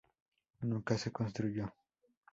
Nunca se construyó.